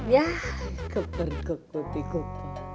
yah keper kekut kekut